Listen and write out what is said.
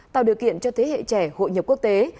tạo điều kiện cho thế hệ trẻ hội nhập quốc tế